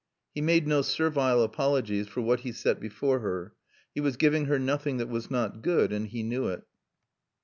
He made no servile apologies for what he set before her. He was giving her nothing that was not good, and he knew it.